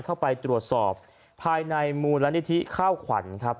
เข้าไปตรวจสอบภายในมูลนิธิข้าวขวัญครับ